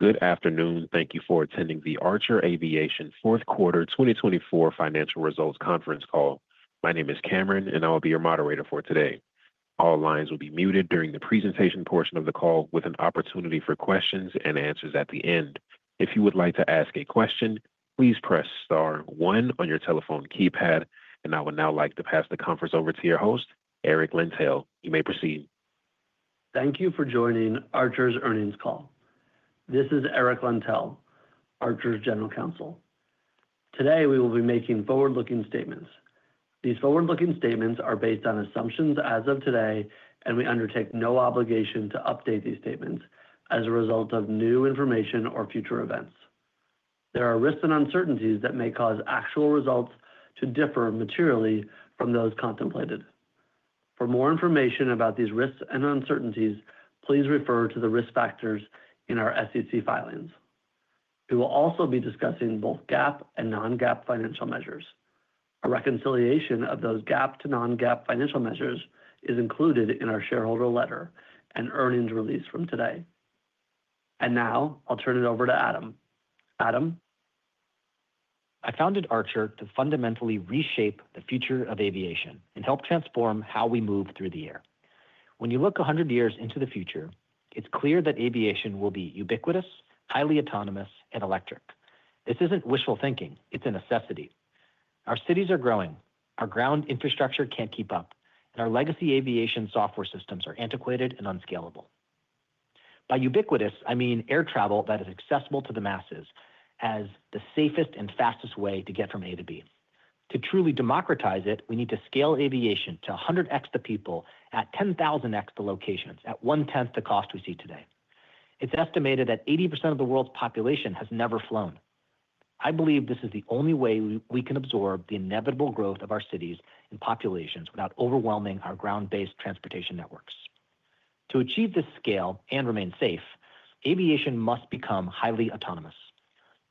Good afternoon, thank you for attending the Archer Aviation Fourth Quarter 2024 Financial Results Conference Call. My name is Cameron, and I will be your moderator for today. All lines will be muted during the presentation portion of the call, with an opportunity for questions and answers at the end. If you would like to ask a question, please press star one on your telephone keypad, and I would now like to pass the conference over to your host, Eric Lentell. You may proceed. Thank you for joining Archer's Earnings Call. This is Eric Lentell, Archer's General Counsel. Today we will be making forward-looking statements. These forward-looking statements are based on assumptions as of today, and we undertake no obligation to update these statements as a result of new information or future events. There are risks and uncertainties that may cause actual results to differ materially from those contemplated. For more information about these risks and uncertainties, please refer to the risk factors in our SEC filings. We will also be discussing both GAAP and non-GAAP financial measures. A reconciliation of those GAAP to non-GAAP financial measures is included in our shareholder letter and earnings release from today. And now, I'll turn it over to Adam. Adam? I founded Archer to fundamentally reshape the future of aviation and help transform how we move through the year. When you look 100 years into the future, it's clear that aviation will be ubiquitous, highly autonomous, and electric. This isn't wishful thinking. It's a necessity. Our cities are growing, our ground infrastructure can't keep up, and our legacy aviation software systems are antiquated and unscalable. By ubiquitous, I mean air travel that is accessible to the masses as the safest and fastest way to get from A to B. To truly democratize it, we need to scale aviation to 100x the people at 10,000x the locations, at one-tenth the cost we see today. It's estimated that 80% of the world's population has never flown. I believe this is the only way we can absorb the inevitable growth of our cities and populations without overwhelming our ground-based transportation networks. To achieve this scale and remain safe, aviation must become highly autonomous.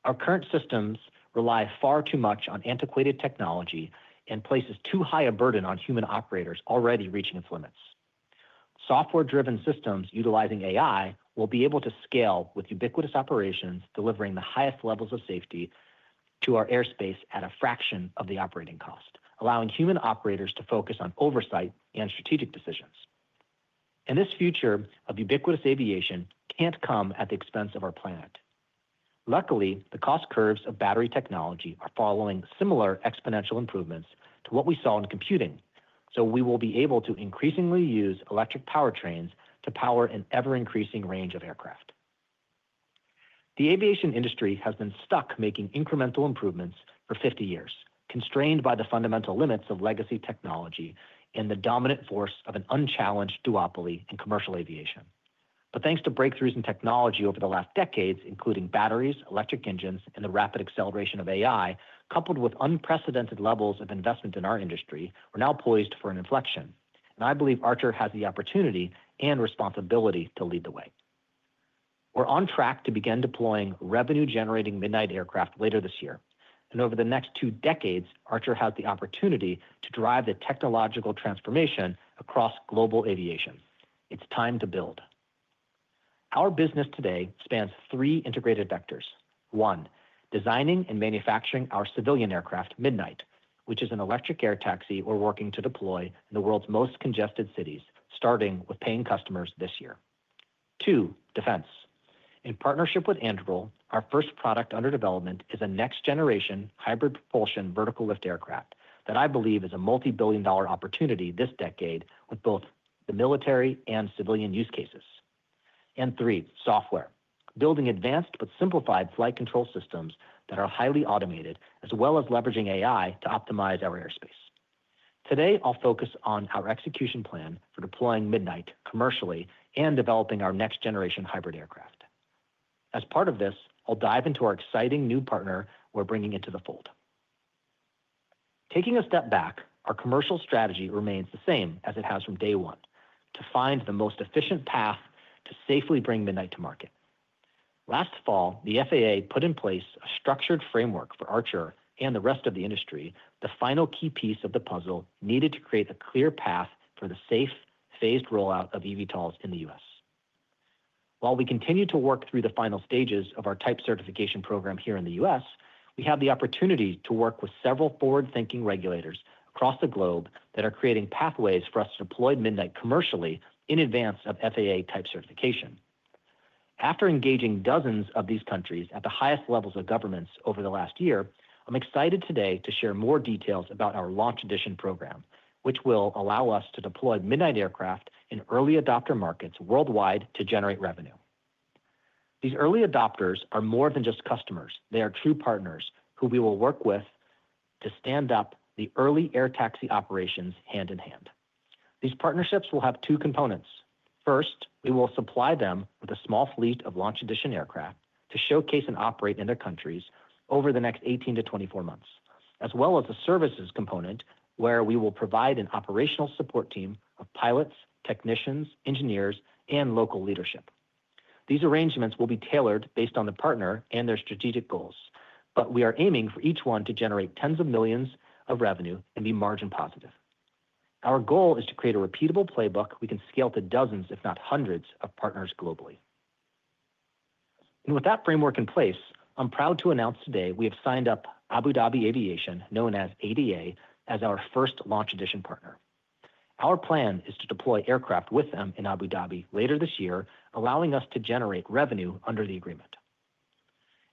Our current systems rely far too much on antiquated technology and place too high a burden on human operators already reaching its limits. Software-driven systems utilizing AI will be able to scale with ubiquitous operations, delivering the highest levels of safety to our airspace at a fraction of the operating cost, allowing human operators to focus on oversight and strategic decisions, and this future of ubiquitous aviation can't come at the expense of our planet. Luckily, the cost curves of battery technology are following similar exponential improvements to what we saw in computing, so we will be able to increasingly use electric powertrains to power an ever-increasing range of aircraft. The aviation industry has been stuck making incremental improvements for 50 years, constrained by the fundamental limits of legacy technology and the dominant force of an unchallenged duopoly in commercial aviation, but thanks to breakthroughs in technology over the last decades, including batteries, electric engines, and the rapid acceleration of AI, coupled with unprecedented levels of investment in our industry, we're now poised for an inflection, and I believe Archer has the opportunity and responsibility to lead the way. We're on track to begin deploying revenue-generating Midnight aircraft later this year, and over the next two decades, Archer has the opportunity to drive the technological transformation across global aviation. It's time to build. Our business today spans three integrated vectors. One, designing and manufacturing our civilian aircraft, Midnight, which is an electric air taxi we're working to deploy in the world's most congested cities, starting with paying customers this year. Two, defense. In partnership with Anduril, our first product under development is a next-generation hybrid propulsion vertical lift aircraft that I believe is a multi-billion-dollar opportunity this decade with both the military and civilian use cases. Three, software. Building advanced but simplified flight control systems that are highly automated, as well as leveraging AI to optimize our airspace. Today, I'll focus on our execution plan for deploying Midnight commercially and developing our next-generation hybrid aircraft. As part of this, I'll dive into our exciting new partner we're bringing into the fold. Taking a step back, our commercial strategy remains the same as it has from day one: to find the most efficient path to safely bring Midnight to market. Last fall, the FAA put in place a structured framework for Archer and the rest of the industry, the final key piece of the puzzle needed to create a clear path for the safe phased rollout of eVTOLs in the U.S. While we continue to work through the final stages of our type certification program here in the U.S., we have the opportunity to work with several forward-thinking regulators across the globe that are creating pathways for us to deploy Midnight commercially in advance of FAA type certification. After engaging dozens of these countries at the highest levels of governments over the last year, I'm excited today to share more details about our Launch Edition program, which will allow us to deploy Midnight aircraft in early adopter markets worldwide to generate revenue. These early adopters are more than just customers. They are true partners who we will work with to stand up the early air taxi operations hand in hand. These partnerships will have two components. First, we will supply them with a small fleet of Launch Edition aircraft to showcase and operate in their countries over the next 18 to 24 months, as well as a services component where we will provide an operational support team of pilots, technicians, engineers, and local leadership. These arrangements will be tailored based on the partner and their strategic goals, but we are aiming for each one to generate tens of millions of revenue and be margin positive. Our goal is to create a repeatable playbook we can scale to dozens, if not hundreds, of partners globally. With that framework in place, I'm proud to announce today we have signed up Abu Dhabi Aviation, known as ADA, as our first Launch Edition partner. Our plan is to deploy aircraft with them in Abu Dhabi later this year, allowing us to generate revenue under the agreement.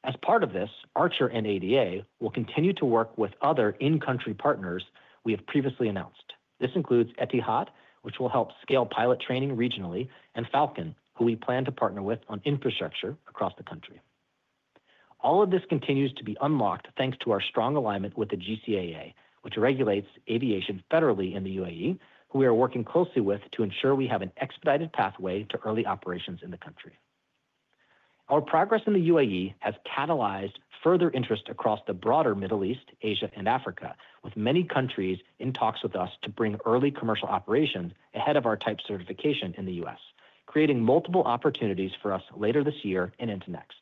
As part of this, Archer and ADA will continue to work with other in-country partners we have previously announced. This includes Etihad, which will help scale pilot training regionally, and Falcon, who we plan to partner with on infrastructure across the country. All of this continues to be unlocked thanks to our strong alignment with the GCAA, which regulates aviation federally in the UAE, who we are working closely with to ensure we have an expedited pathway to early operations in the country. Our progress in the UAE has catalyzed further interest across the broader Middle East, Asia, and Africa, with many countries in talks with us to bring early commercial operations ahead of our type certification in the U.S., creating multiple opportunities for us later this year and into next.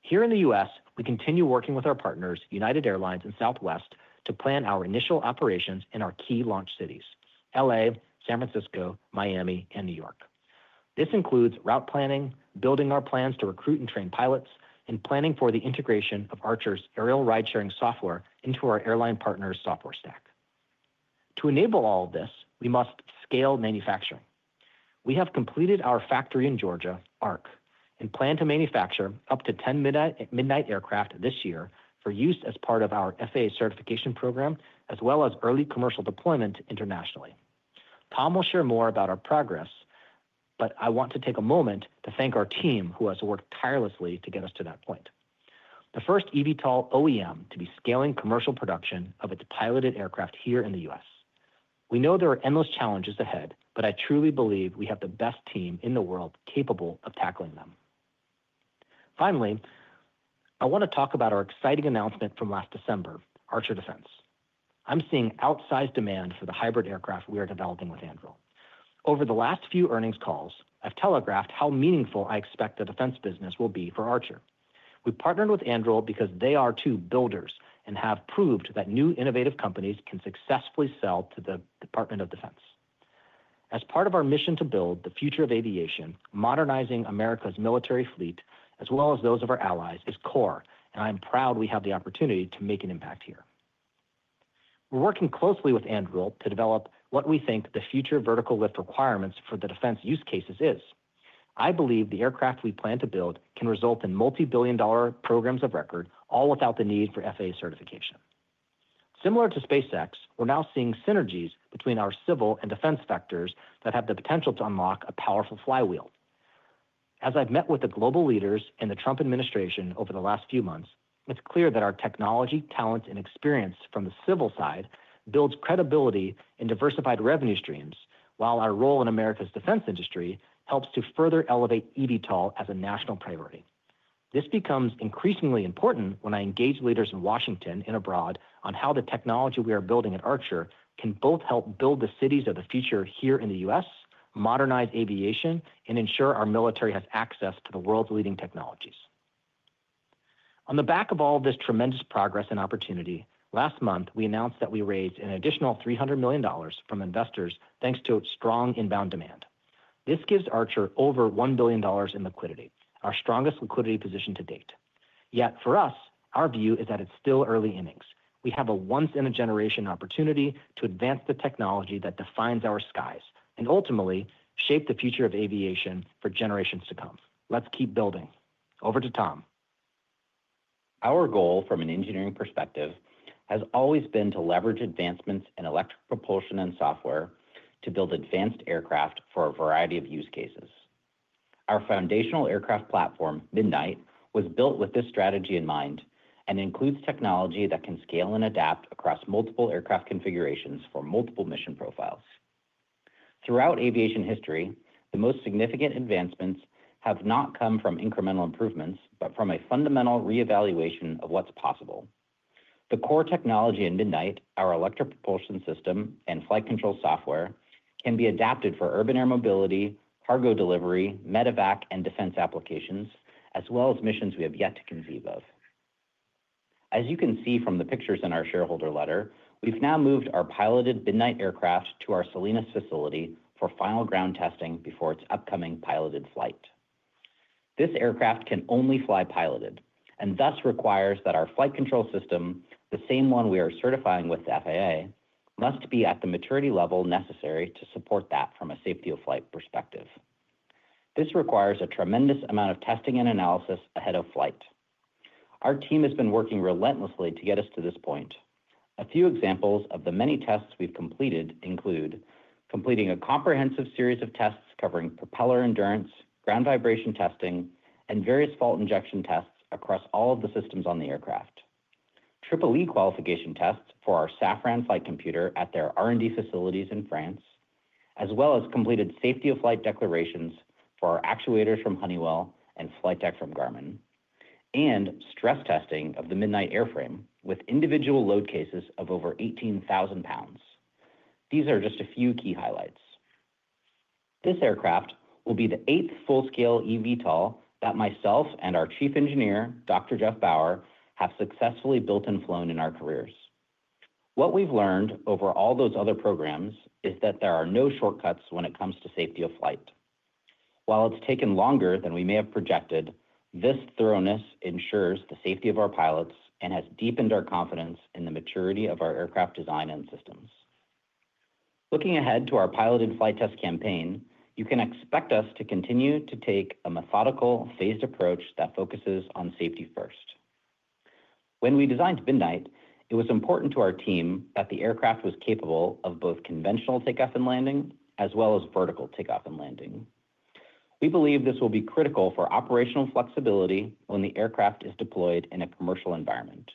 Here in the U.S., we continue working with our partners, United Airlines and Southwest, to plan our initial operations in our key launch cities: L.A., San Francisco, Miami, and New York. This includes route planning, building our plans to recruit and train pilots, and planning for the integration of Archer's aerial ride-sharing software into our airline partner's software stack. To enable all of this, we must scale manufacturing. We have completed our factory in Georgia, ARC, and plan to manufacture up to 10 Midnight aircraft this year for use as part of our FAA certification program, as well as early commercial deployment internationally. Tom will share more about our progress, but I want to take a moment to thank our team, who has worked tirelessly to get us to that point. The first eVTOL OEM to be scaling commercial production of its piloted aircraft here in the U.S. We know there are endless challenges ahead, but I truly believe we have the best team in the world capable of tackling them. Finally, I want to talk about our exciting announcement from last December, Archer Defense. I'm seeing outsized demand for the hybrid aircraft we are developing with Anduril. Over the last few earnings calls, I've telegraphed how meaningful I expect the defense business will be for Archer. We partnered with Anduril because they are true builders and have proved that new innovative companies can successfully sell to the Department of Defense. As part of our mission to build the future of aviation, modernizing America's military fleet, as well as those of our allies, is core, and I'm proud we have the opportunity to make an impact here. We're working closely with Anduril to develop what we think the future vertical lift requirements for the defense use cases is. I believe the aircraft we plan to build can result in multi-billion-dollar programs of record, all without the need for FAA certification. Similar to SpaceX, we're now seeing synergies between our civil and defense sectors that have the potential to unlock a powerful flywheel. As I've met with the global leaders and the Trump administration over the last few months, it's clear that our technology, talent, and experience from the civil side, builds credibility and diversified revenue streams, while our role in America's defense industry helps to further elevate eVTOL as a national priority. This becomes increasingly important when I engage leaders in Washington and abroad on how the technology we are building at Archer can both help build the cities of the future here in the U.S., modernize aviation, and ensure our military has access to the world's leading technologies. On the back of all this tremendous progress and opportunity, last month we announced that we raised an additional $300 million from investors thanks to strong inbound demand. This gives Archer over $1 billion in liquidity, our strongest liquidity position to date. Yet for us, our view is that it's still early innings. We have a once-in-a-generation opportunity to advance the technology that defines our skies and ultimately shape the future of aviation for generations to come. Let's keep building. Over to Tom. Our goal from an engineering perspective has always been to leverage advancements in electric propulsion and software to build advanced aircraft for a variety of use cases. Our foundational aircraft platform, Midnight, was built with this strategy in mind and includes technology that can scale and adapt across multiple aircraft configurations for multiple mission profiles. Throughout aviation history, the most significant advancements have not come from incremental improvements, but from a fundamental reevaluation of what's possible. The core technology in Midnight, our electric propulsion system and flight control software, can be adapted for urban air mobility, cargo delivery, medevac, and defense applications, as well as missions we have yet to conceive of. As you can see from the pictures in our shareholder letter, we've now moved our piloted Midnight aircraft to our Salinas facility for final ground testing before its upcoming piloted flight. This aircraft can only fly piloted and thus requires that our flight control system, the same one we are certifying with the FAA, must be at the maturity level necessary to support that from a safety of flight perspective. This requires a tremendous amount of testing and analysis ahead of flight. Our team has been working relentlessly to get us to this point. A few examples of the many tests we've completed include, completing a comprehensive series of tests, covering propeller endurance, ground vibration testing, and various fault injection tests across all of the systems on the aircraft, EEE qualification tests for our Safran flight computer at their R&D facilities in France, as well as completed safety of flight declarations for our actuators from Honeywell and flight deck from Garmin, and stress testing of the Midnight airframe with individual load cases of over 18,000 pounds. These are just a few key highlights. This aircraft will be the eighth full-scale eVTOL that myself and our chief engineer, Dr. Geoff Bower, have successfully built and flown in our careers. What we've learned over all those other programs, is that there are no shortcuts when it comes to safety of flight. While it's taken longer than we may have projected, this thoroughness ensures the safety of our pilots and has deepened our confidence in the maturity of our aircraft design and systems. Looking ahead to our piloted flight test campaign, you can expect us to continue to take a methodical phased approach that focuses on safety first. When we designed Midnight, it was important to our team that the aircraft was capable of both conventional takeoff and landing, as well as vertical takeoff and landing. We believe this will be critical for operational flexibility when the aircraft is deployed in a commercial environment.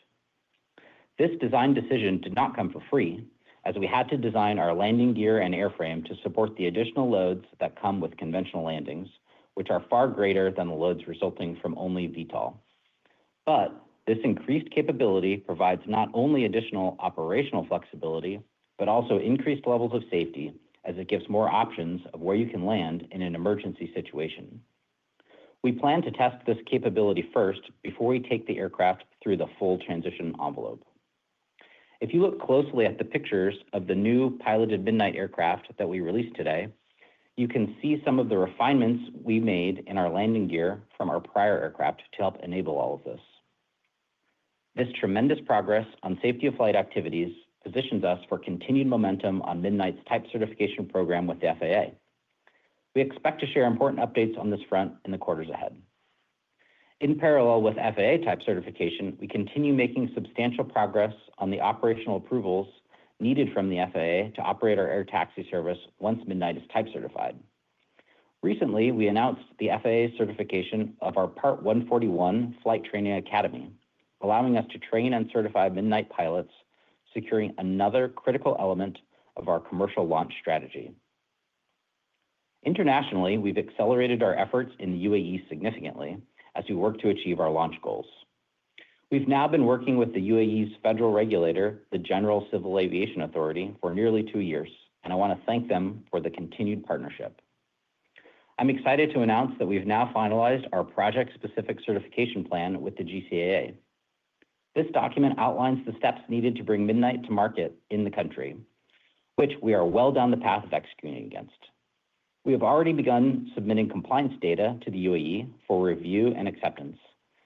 This design decision did not come for free, as we had to design our landing gear and airframe to support the additional loads that come with conventional landings, which are far greater than the loads resulting from only VTOL, but this increased capability provides not only additional operational flexibility, but also increased levels of safety, as it gives more options of where you can land in an emergency situation. We plan to test this capability first before we take the aircraft through the full transition envelope. If you look closely at the pictures of the new piloted Midnight aircraft that we released today, you can see some of the refinements we made in our landing gear from our prior aircraft to help enable all of this. This tremendous progress on safety of flight activities positions us for continued momentum on Midnight's type certification program with the FAA. We expect to share important updates on this front in the quarters ahead. In parallel with FAA type certification, we continue making substantial progress on the operational approvals needed from the FAA to operate our air taxi service once Midnight is type certified. Recently, we announced the FAA certification of our Part 141 Flight Training Academy, allowing us to train and certify Midnight pilots, securing another critical element of our commercial launch strategy. Internationally, we've accelerated our efforts in the UAE significantly as we work to achieve our launch goals. We've now been working with the UAE's federal regulator, the General Civil Aviation Authority, for nearly two years, and I want to thank them for the continued partnership. I'm excited to announce that we've now finalized our project-specific certification plan with the GCAA. This document outlines the steps needed to bring Midnight to market in the country, which we are well down the path of executing against. We have already begun submitting compliance data to the UAE for review and acceptance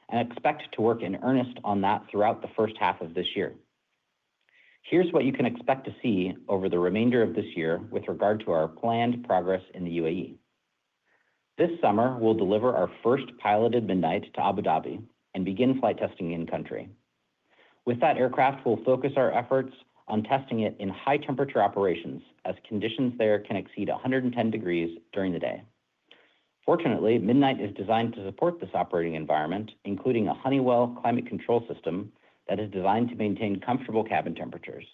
and expect to work in earnest on that throughout the first half of this year. Here's what you can expect to see over the remainder of this year with regard to our planned progress in the UAE. This summer, we'll deliver our first piloted Midnight to Abu Dhabi and begin flight testing in country. With that aircraft, we'll focus our efforts on testing it in high temperature operations, as conditions there can exceed 110 degrees during the day. Fortunately, Midnight is designed to support this operating environment, including a Honeywell climate control system that is designed to maintain comfortable cabin temperatures.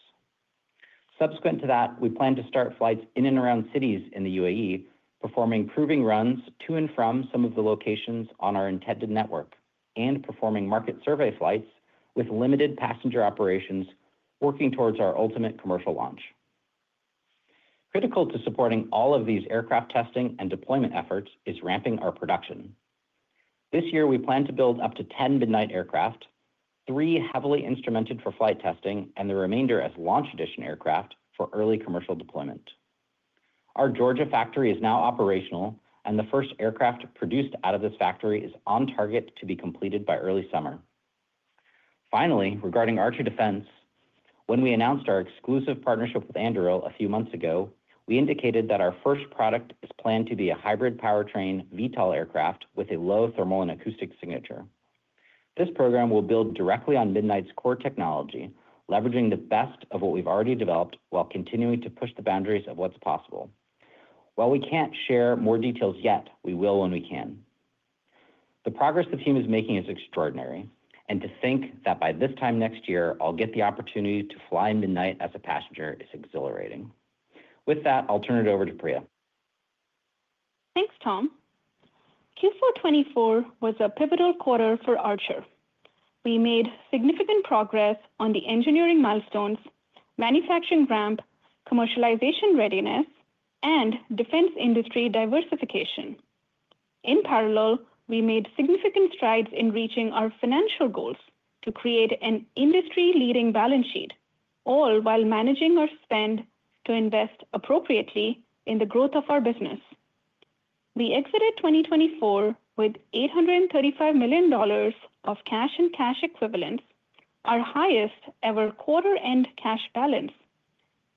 Subsequent to that, we plan to start flights in and around cities in the UAE, performing proving runs to and from some of the locations on our intended network and performing market survey flights with limited passenger operations, working towards our ultimate commercial launch. Critical to supporting all of these aircraft testing and deployment efforts is ramping our production. This year, we plan to build up to 10 Midnight aircraft, three heavily instrumented for flight testing and the remainder as Launch Edition aircraft for early commercial deployment. Our Georgia factory is now operational, and the first aircraft produced out of this factory is on target to be completed by early summer. Finally, regarding Archer Defense, when we announced our exclusive partnership with Anduril a few months ago, we indicated that our first product is planned to be a hybrid powertrain VTOL aircraft with a low thermal and acoustic signature. This program will build directly on Midnight's core technology, leveraging the best of what we've already developed while continuing to push the boundaries of what's possible. While we can't share more details yet, we will when we can. The progress the team is making is extraordinary, and to think that by this time next year, I'll get the opportunity to fly Midnight as a passenger is exhilarating. With that, I'll turn it over to Priya. Thanks, Tom. Q4 2024 was a pivotal quarter for Archer. We made significant progress on the engineering milestones, manufacturing ramp, commercialization readiness, and defense industry diversification. In parallel, we made significant strides in reaching our financial goals to create an industry-leading balance sheet, all while managing our spend to invest appropriately in the growth of our business. We exited 2024 with $835 million of cash and cash equivalents, our highest ever quarter-end cash balance,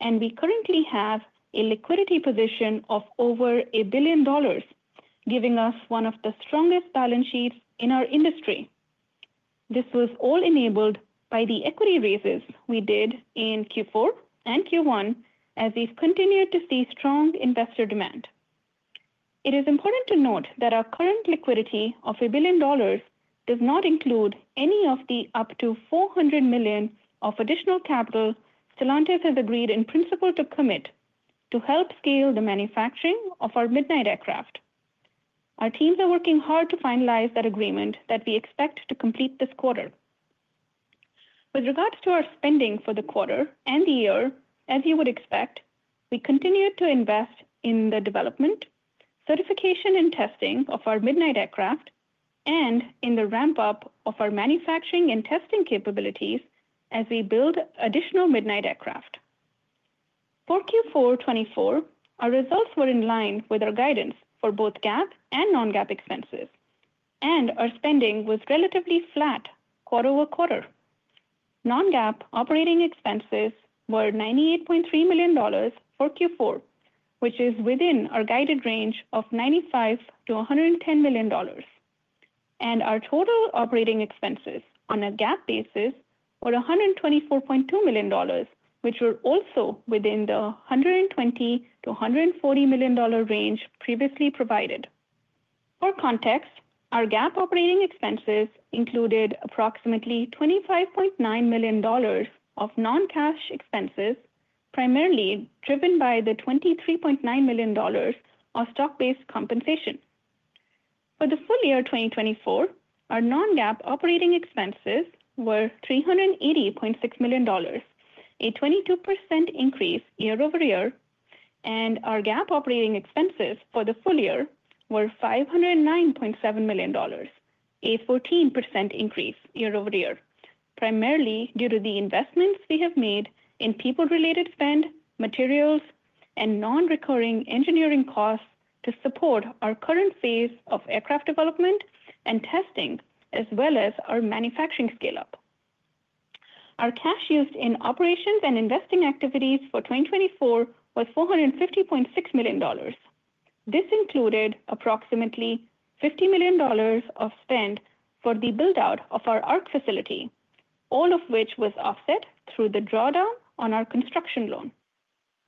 and we currently have a liquidity position of over a $1 billion, giving us one of the strongest balance sheets in our industry. This was all enabled by the equity raises we did in Q4 and Q1, as we've continued to see strong investor demand. It is important to note that our current liquidity of $1 billion does not include any of the up to $400 million of additional capital Stellantis has agreed in principle to commit to help scale the manufacturing of our Midnight aircraft. Our teams are working hard to finalize that agreement that we expect to complete this quarter. With regards to our spending for the quarter and the year, as you would expect, we continue to invest in the development, certification, and testing of our Midnight aircraft and in the ramp-up of our manufacturing and testing capabilities as we build additional Midnight aircraft. For Q4 2024, our results were in line with our guidance for both GAAP and non-GAAP expenses, and our spending was relatively flat quarter-over-quarter. Non-GAAP operating expenses were $98.3 million for Q4, which is within our guided range of $95 million-$110 million, and our total operating expenses on a GAAP basis were $124.2 million, which were also within the $120 million-$140 million range previously provided. For context, our GAAP operating expenses included approximately $25.9 million of non-cash expenses, primarily driven by the $23.9 million of stock-based compensation. For the full year 2024, our non-GAAP operating expenses were $380.6 million, a 22% increase year-over-year, and our GAAP operating expenses for the full year were $509.7 million, a 14% increase year-over-year, primarily due to the investments we have made in people-related spend, materials, and non-recurring engineering costs to support our current phase of aircraft development and testing, as well as our manufacturing scale-up. Our cash used in operations and investing activities for 2024 was $450.6 million. This included approximately $50 million of spend for the build-out of our ARC facility, all of which was offset through the drawdown on our construction loan.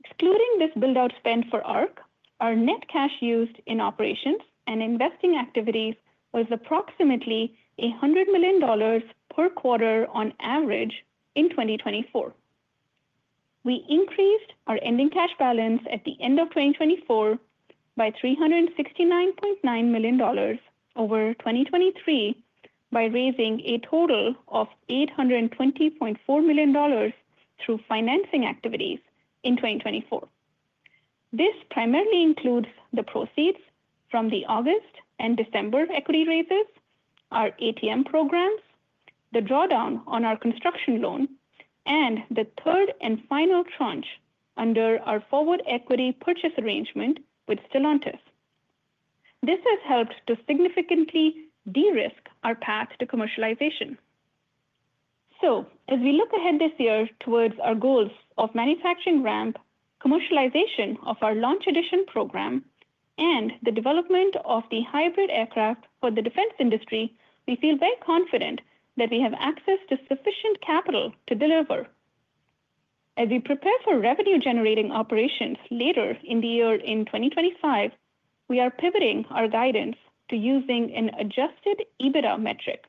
Excluding this build-out spend for ARC, our net cash used in operations and investing activities was approximately $100 million per quarter on average in 2024. We increased our ending cash balance at the end of 2024 by $369.9 million over 2023 by raising a total of $820.4 million through financing activities in 2024. This primarily includes the proceeds from the August and December equity raises, our ATM programs, the drawdown on our construction loan, and the third and final tranche under our forward equity purchase arrangement with Stellantis. This has helped to significantly de-risk our path to commercialization. As we look ahead this year towards our goals of manufacturing ramp, commercialization of our Launch Edition program, and the development of the hybrid aircraft for the defense industry, we feel very confident that we have access to sufficient capital to deliver. As we prepare for revenue-generating operations later in the year in 2025, we are pivoting our guidance to using an adjusted EBITDA metric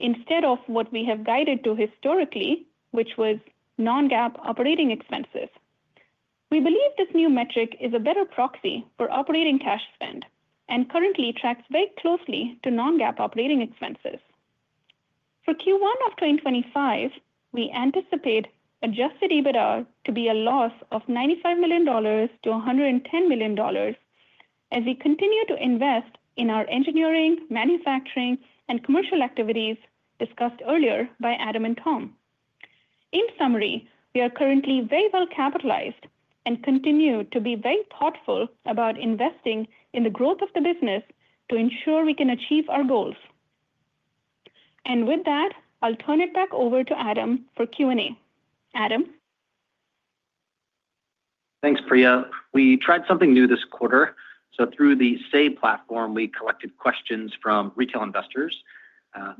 instead of what we have guided to historically, which was non-GAAP operating expenses. We believe this new metric is a better proxy for operating cash spend and currently tracks very closely to non-GAAP operating expenses. For Q1 of 2025, we anticipate adjusted EBITDA to be a loss of $95 million-$110 million as we continue to invest in our engineering, manufacturing, and commercial activities discussed earlier by Adam and Tom. In summary, we are currently very well capitalized and continue to be very thoughtful about investing in the growth of the business to ensure we can achieve our goals. And with that, I'll turn it back over to Adam for Q&A. Adam? Thanks, Priya. We tried something new this quarter. So, through the Say platform, we collected questions from retail investors.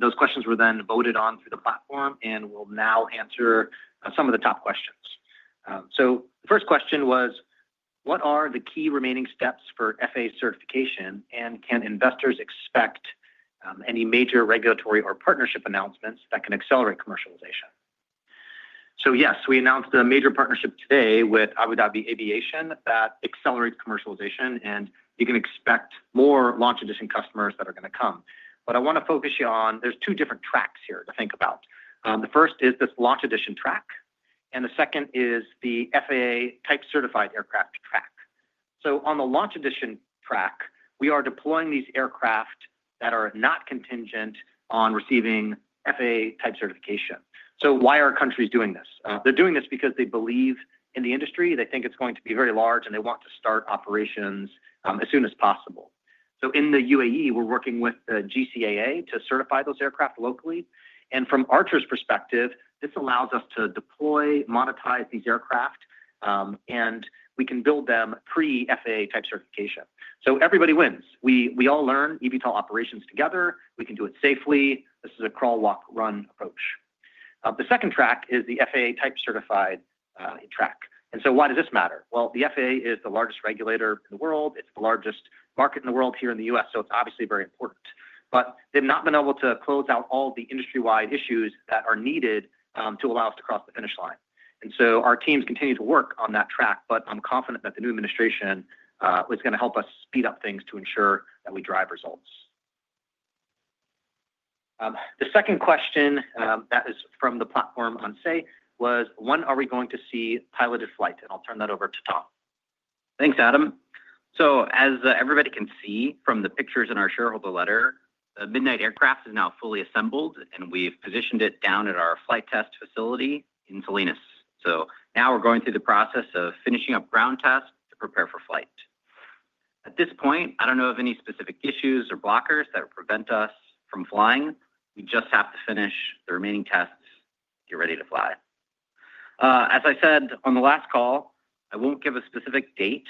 Those questions were then voted on through the platform, and we'll now answer some of the top questions. So, the first question was, what are the key remaining steps for FAA certification, and can investors expect any major regulatory or partnership announcements that can accelerate commercialization? So, yes, we announced a major partnership today with Abu Dhabi Aviation that accelerates commercialization, and you can expect more Launch Edition customers that are going to come. But I want to focus you on, there's two different tracks here to think about. The first is this Launch Edition track, and the second is the FAA type certified aircraft track. So, on the Launch Edition track, we are deploying these aircraft that are not contingent on receiving FAA type certification. So, why are countries doing this? They're doing this because they believe in the industry. They think it's going to be very large, and they want to start operations as soon as possible. So, in the UAE, we're working with the GCAA to certify those aircraft locally. And from Archer's perspective, this allows us to deploy, monetize these aircraft, and we can build them pre-FAA type certification. So, everybody wins. We all learn eVTOL operations together. We can do it safely. This is a crawl, walk, run approach. The second track is the FAA type certified track. And so, why does this matter? Well, the FAA is the largest regulator in the world. It's the largest market in the world here in the U.S., so it's obviously very important. But they've not been able to close out all the industry-wide issues that are needed to allow us to cross the finish line. And so, our teams continue to work on that track, but I'm confident that the new administration is going to help us speed up things to ensure that we drive results. The second question that is from the platform on Say was, when are we going to see piloted flight? And I'll turn that over to Tom. Thanks, Adam. So, as everybody can see from the pictures in our shareholder letter, the Midnight aircraft is now fully assembled, and we've positioned it down at our flight test facility in Salinas. So, now we're going through the process of finishing up ground tests to prepare for flight. At this point, I don't know of any specific issues or blockers that will prevent us from flying. We just have to finish the remaining tests, get ready to fly. As I said on the last call, I won't give a specific date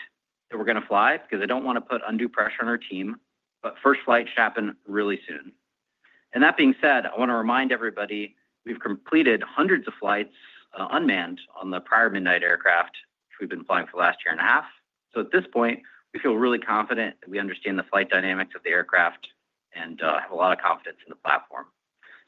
that we're going to fly because I don't want to put under pressure on our team, but first flight should happen really soon, and that being said, I want to remind everybody we've completed hundreds of flights unmanned on the prior Midnight aircraft, which we've been flying for the last year and a half, so at this point, we feel really confident that we understand the flight dynamics of the aircraft and have a lot of confidence in the platform,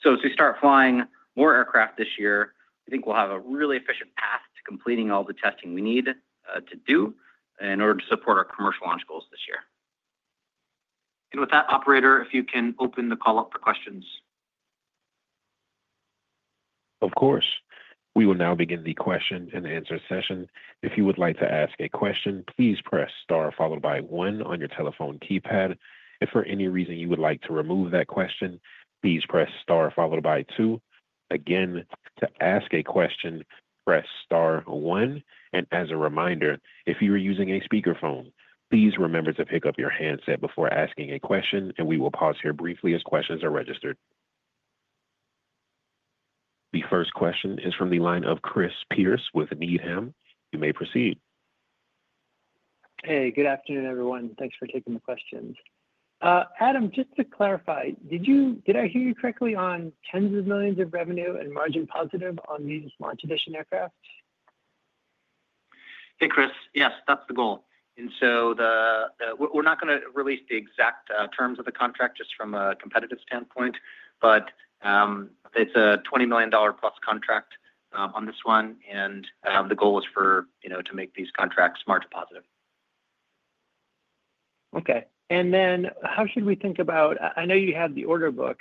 so as we start flying more aircraft this year, I think we'll have a really efficient path to completing all the testing we need to do in order to support our commercial launch goals this year. And with that, Operator, if you can open the call up for questions. Of course. We will now begin the question and answer session. If you would like to ask a question, please press star followed by one on your telephone keypad. If for any reason you would like to remove that question, please press star followed by two. Again, to ask a question, press star one. And as a reminder, if you are using a speakerphone, please remember to pick up your handset before asking a question, and we will pause here briefly as questions are registered. The first question is from the line of Chris Pierce with Needham. You may proceed. Hey, good afternoon, everyone. Thanks for taking the questions. Adam, just to clarify, did I hear you correctly on tens of millions of revenue and margin positive on these Launch Edition aircraft? Hey, Chris, yes, that's the goal, and so we're not going to release the exact terms of the contract just from a competitive standpoint, but it's a $20 million plus contract on this one, and the goal is to make these contracts margin positive. Okay. And then how should we think about? I know you have the order book,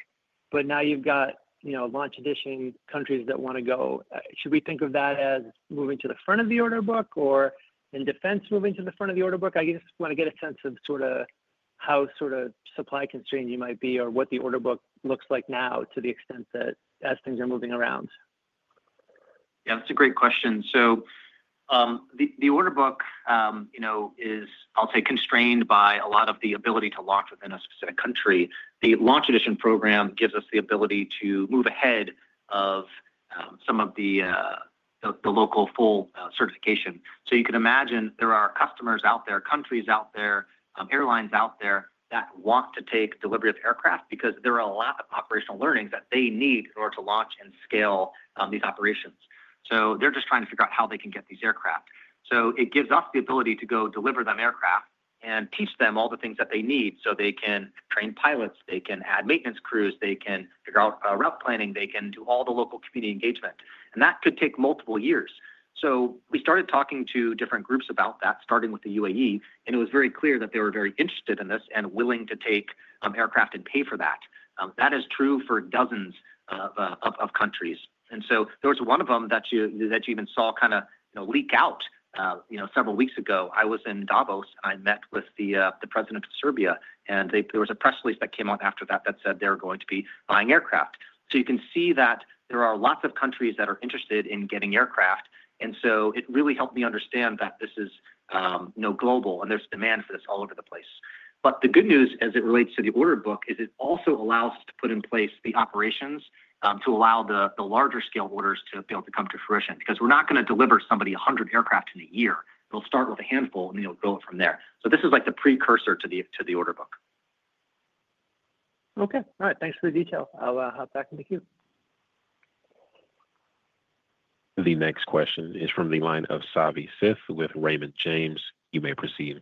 but now you've got Launch Edition countries that want to go. Should we think of that as moving to the front of the order book or in defense moving to the front of the order book? I just want to get a sense of sort of how sort of supply constrained you might be or what the order book looks like now to the extent that as things are moving around. Yeah, that's a great question. So, the order book is, I'll say, constrained by a lot of the ability to launch within a specific country. The Launch Edition program gives us the ability to move ahead of some of the local full certification. So, you can imagine there are customers out there, countries out there, airlines out there that want to take delivery of aircraft because there are a lot of operational learnings that they need in order to launch and scale these operations. So, they're just trying to figure out how they can get these aircraft. So, it gives us the ability to go deliver them aircraft and teach them all the things that they need so they can train pilots, they can add maintenance crews, they can figure out route planning, they can do all the local community engagement, and that could take multiple years. So, we started talking to different groups about that, starting with the UAE, and it was very clear that they were very interested in this and willing to take aircraft and pay for that. That is true for dozens of countries. And so, there was one of them that you even saw kind of leak out several weeks ago. I was in Davos, and I met with the president of Serbia, and there was a press release that came out after that that said they were going to be buying aircraft. So, you can see that there are lots of countries that are interested in getting aircraft. And so, it really helped me understand that this is global and there's demand for this all over the place. But the good news as it relates to the order book is it also allows us to put in place the operations to allow the larger scale orders to be able to come to fruition because we're not going to deliver somebody 100 aircraft in a year. We'll start with a handful and then you'll go from there. So, this is like the precursor to the order book. Okay. All right. Thanks for the detail. I'll hop back into queue. The next question is from the line of Savi Syth with Raymond James. You may proceed.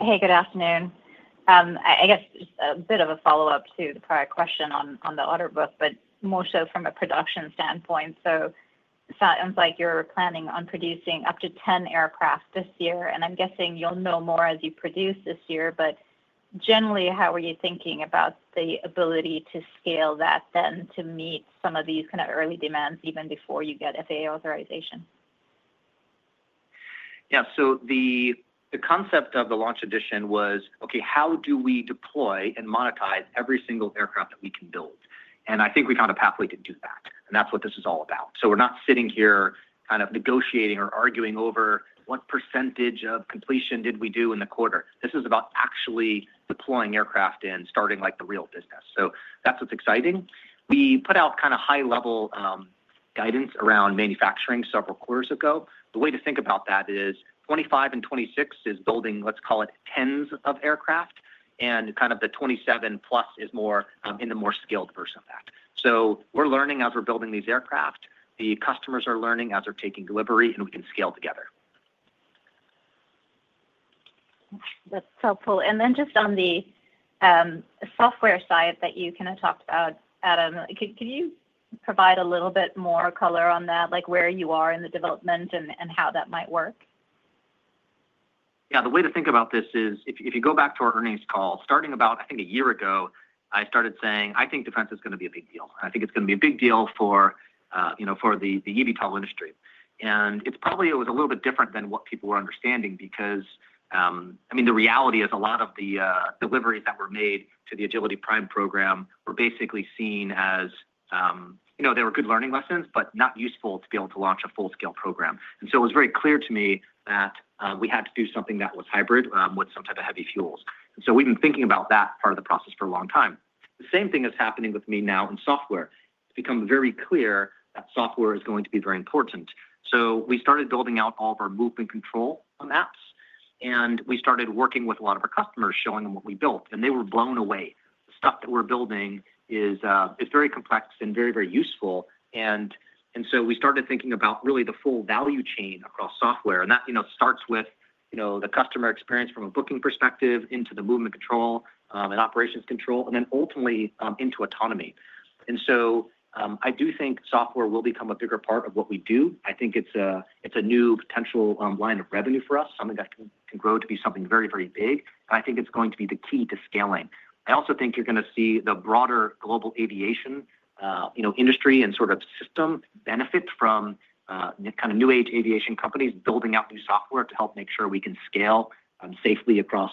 Hey, good afternoon. I guess a bit of a follow-up to the prior question on the order book, but more so from a production standpoint. So, it sounds like you're planning on producing up to 10 aircraft this year, and I'm guessing you'll know more as you produce this year, but generally, how are you thinking about the ability to scale that then to meet some of these kind of early demands even before you get FAA authorization? Yeah. So, the concept of the Launch Edition was, okay, how do we deploy and monetize every single aircraft that we can build? And I think we found a pathway to do that, and that's what this is all about. So, we're not sitting here kind of negotiating or arguing over what percentage of completion did we do in the quarter. This is about actually deploying aircraft and starting like the real business. So, that's what's exciting. We put out kind of high-level guidance around manufacturing several quarters ago. The way to think about that is 2025 and 2026 is building, let's call it tens of aircraft, and kind of the 2027 plus is more in the more skilled version of that. So, we're learning as we're building these aircraft. The customers are learning as they're taking delivery, and we can scale together. That's helpful. And then just on the software side that you kind of talked about, Adam, could you provide a little bit more color on that, like where you are in the development and how that might work? Yeah. The way to think about this is if you go back to our earnings call, starting about, I think, a year ago, I started saying, I think defense is going to be a big deal. I think it's going to be a big deal for the eVTOL industry. And it's probably a little bit different than what people were understanding because, I mean, the reality is a lot of the deliveries that were made to the Agility Prime program were basically seen as, you know, there were good learning lessons, but not useful to be able to launch a full-scale program. And so, it was very clear to me that we had to do something that was hybrid with some type of heavy fuels. And so, we've been thinking about that part of the process for a long time. The same thing is happening with me now in software. It's become very clear that software is going to be very important. So, we started building out all of our move and control apps, and we started working with a lot of our customers, showing them what we built, and they were blown away. The stuff that we're building is very complex and very, very useful. And so, we started thinking about really the full value chain across software, and that starts with the customer experience from a booking perspective into the movement control and operations control, and then ultimately into autonomy. And so, I do think software will become a bigger part of what we do. I think it's a new potential line of revenue for us, something that can grow to be something very, very big. And I think it's going to be the key to scaling. I also think you're going to see the broader global aviation industry and sort of system benefit from kind of new age aviation companies building out new software to help make sure we can scale safely across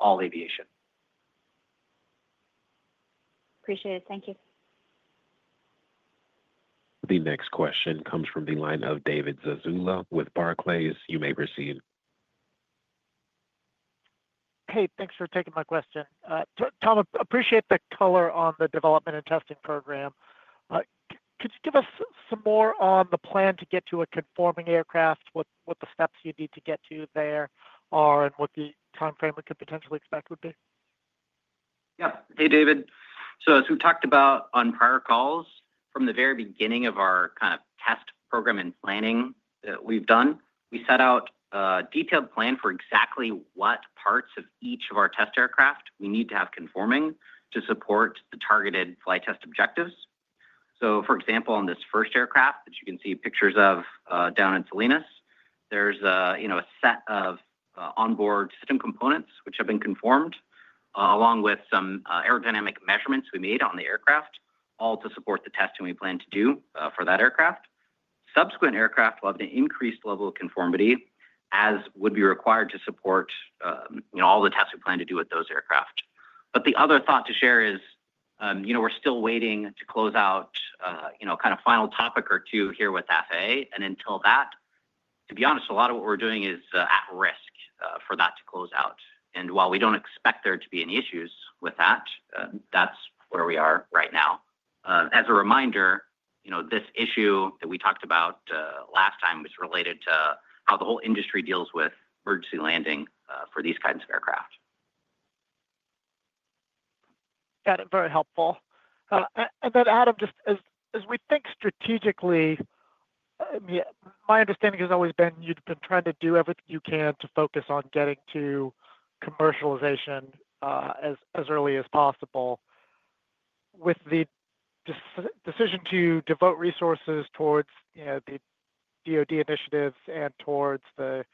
all aviation. Appreciate it. Thank you. The next question comes from the line of David Zazula with Barclays. You may proceed. Hey, thanks for taking my question. Tom, I appreciate the color on the development and testing program. Could you give us some more on the plan to get to a conforming aircraft, what the steps you need to get to there are, and what the timeframe we could potentially expect would be? Yeah. Hey, David. So, as we've talked about on prior calls, from the very beginning of our kind of test program and planning that we've done, we set out a detailed plan for exactly what parts of each of our test aircraft we need to have conforming to support the targeted flight test objectives. So, for example, on this first aircraft that you can see pictures of down in Salinas, there's a set of onboard system components which have been conformed along with some aerodynamic measurements we made on the aircraft, all to support the testing we plan to do for that aircraft. Subsequent aircraft will have an increased level of conformity as would be required to support all the tests we plan to do with those aircraft. But the other thought to share is we're still waiting to close out kind of final topic or two here with FAA. And until that, to be honest, a lot of what we're doing is at risk for that to close out. And while we don't expect there to be any issues with that, that's where we are right now. As a reminder, this issue that we talked about last time was related to how the whole industry deals with emergency landing for these kinds of aircraft. Got it. Very helpful. And then, Adam, just as we think strategically, my understanding has always been you've been trying to do everything you can to focus on getting to commercialization as early as possible with the decision to devote resources towards the DoD initiatives and towards the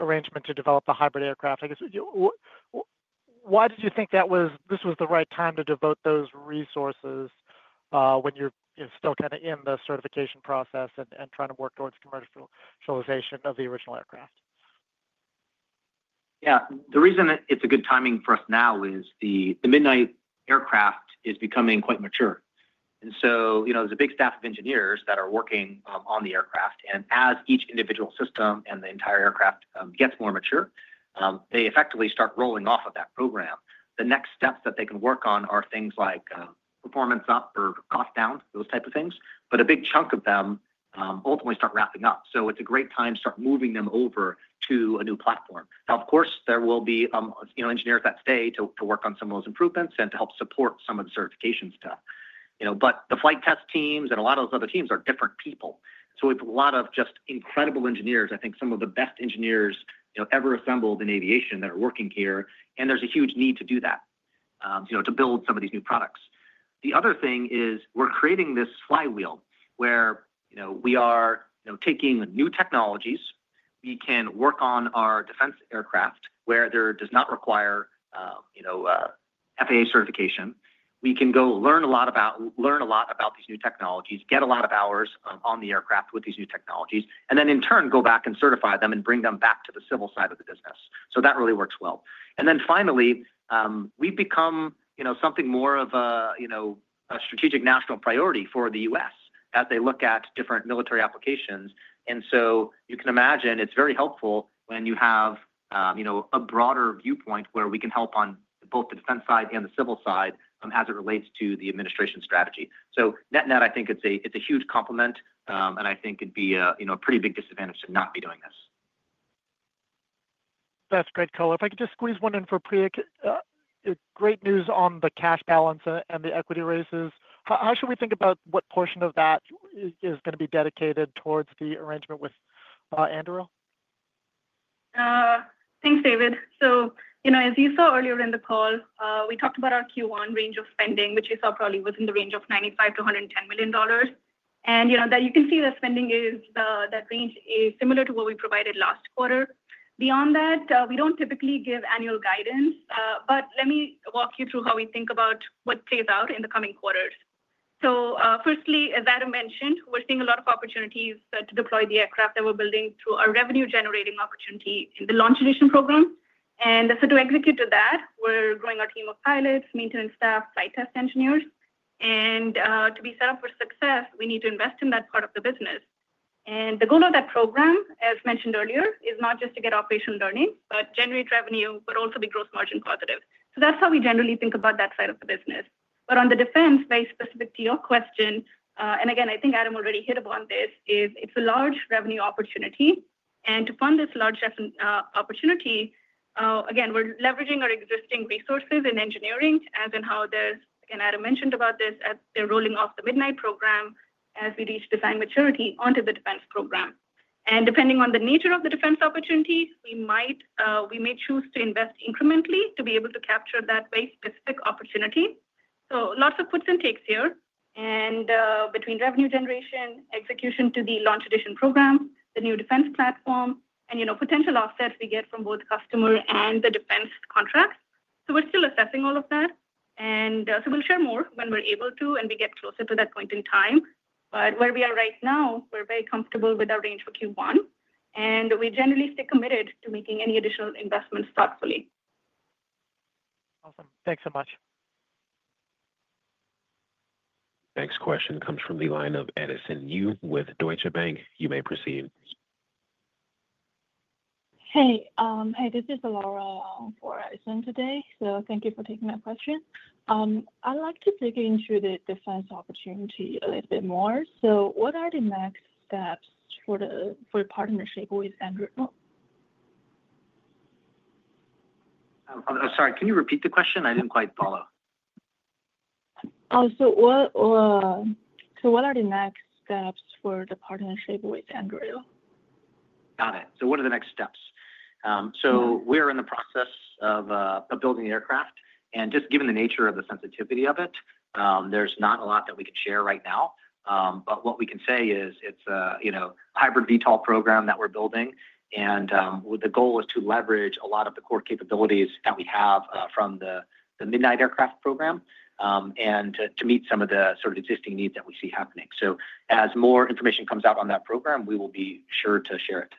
arrangement to develop the hybrid aircraft. I guess, why did you think that this was the right time to devote those resources when you're still kind of in the certification process and trying to work towards commercialization of the original aircraft? Yeah. The reason it's a good timing for us now is the Midnight aircraft is becoming quite mature. And so, there's a big staff of engineers that are working on the aircraft. And as each individual system and the entire aircraft gets more mature, they effectively start rolling off of that program. The next steps that they can work on are things like performance up or cost down, those type of things. But a big chunk of them ultimately start wrapping up. So, it's a great time to start moving them over to a new platform. Now, of course, there will be engineers that stay to work on some of those improvements and to help support some of the certification stuff. But the flight test teams and a lot of those other teams are different people. So, we have a lot of just incredible engineers. I think some of the best engineers ever assembled in aviation that are working here, and there's a huge need to do that, to build some of these new products. The other thing is we're creating this flywheel where we are taking new technologies. We can work on our defense aircraft where there does not require FAA certification. We can go learn a lot about these new technologies, get a lot of hours on the aircraft with these new technologies, and then in turn go back and certify them and bring them back to the civil side of the business. So, that really works well. And then finally, we've become something more of a strategic national priority for the U.S. as they look at different military applications. And so, you can imagine it's very helpful when you have a broader viewpoint where we can help on both the defense side and the civil side as it relates to the administration strategy. So, net-net, I think it's a huge complement, and I think it'd be a pretty big disadvantage to not be doing this. That's great color. If I could just squeeze one in for Priya, great news on the cash balance and the equity raises. How should we think about what portion of that is going to be dedicated towards the arrangement with Anduril? Thanks, David. So, as you saw earlier in the call, we talked about our Q1 range of spending, which you saw probably was in the range of $95 million-$110 million. You can see that spending, that range is similar to what we provided last quarter. Beyond that, we don't typically give annual guidance, but let me walk you through how we think about what plays out in the coming quarters, so firstly, as Adam mentioned, we're seeing a lot of opportunities to deploy the aircraft that we're building through our revenue-generating opportunity in the Launch Edition program. And so, to execute to that, we're growing our team of pilots, maintenance staff, flight test engineers. To be set up for success, we need to invest in that part of the business. The goal of that program, as mentioned earlier, is not just to get operational learning, but generate revenue, but also be gross margin positive. So, that's how we generally think about that side of the business. But on the defense, very specific to your question, and again, I think Adam already hit upon this, is it's a large revenue opportunity. And to fund this large opportunity, again, we're leveraging our existing resources in engineering, as in how there's, again, Adam mentioned about this, as they're rolling off the Midnight program as we reach design maturity onto the defense program. And depending on the nature of the defense opportunity, we may choose to invest incrementally to be able to capture that very specific opportunity. So, lots of puts and takes here. And between revenue generation, execution to the Launch Edition program, the new defense platform, and potential offsets we get from both customer and the defense contracts. So, we're still assessing all of that. And so, we'll share more when we're able to and we get closer to that point in time. But where we are right now, we're very comfortable with our range for Q1, and we generally stay committed to making any additional investments thoughtfully. Awesome. Thanks so much. Next question comes from the line of Edison Yu with Deutsche Bank. You may proceed. Hey. Hey, this is Elara for Edison today. So, thank you for taking my question. I'd like to dig into the defense opportunity a little bit more. So, what are the next steps for the partnership with Anduril? I'm sorry. Can you repeat the question? I didn't quite follow. What are the next steps for the partnership with Anduril? Got it. So, what are the next steps? So, we're in the process of building the aircraft. And just given the nature of the sensitivity of it, there's not a lot that we can share right now. But what we can say is it's a hybrid VTOL program that we're building. And the goal is to leverage a lot of the core capabilities that we have from the Midnight aircraft program and to meet some of the sort of existing needs that we see happening. So, as more information comes out on that program, we will be sure to share it.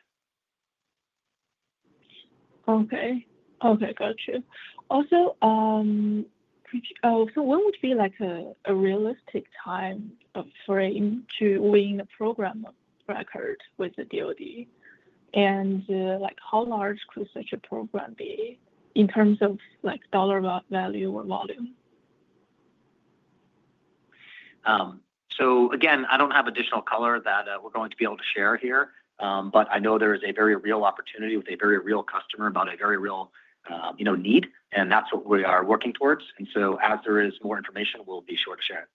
Okay. Okay. Gotcha. Also, so what would be like a realistic time frame to win a program of record with the DoD? And how large could such a program be in terms of dollar value or volume? So, again, I don't have additional color that we're going to be able to share here, but I know there is a very real opportunity with a very real customer about a very real need. And that's what we are working towards. And so, as there is more information, we'll be sure to share it.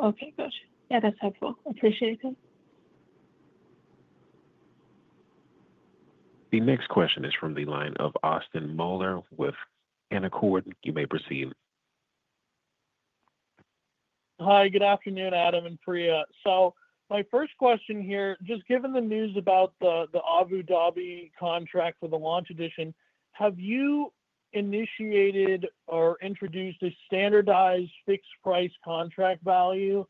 Okay. Gotcha. Yeah, that's helpful. Appreciate it. The next question is from the line of Austin Moeller with Canaccord. You may proceed. Hi. Good afternoon, Adam and Priya. So, my first question here, just given the news about the Abu Dhabi contract for the Launch Edition, have you initiated or introduced a standardized fixed-price contract value